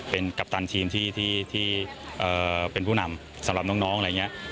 เป็นกัปตันทีมที่เป็นผู้นำสำหรับน้องอะไรอย่างนี้